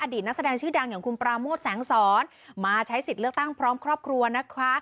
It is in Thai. นักแสดงชื่อดังอย่างคุณปราโมทแสงสอนมาใช้สิทธิ์เลือกตั้งพร้อมครอบครัวนะคะ